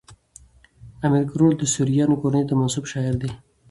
امیر کروړ د سوریانو کورنۍ ته منسوب شاعر دﺉ.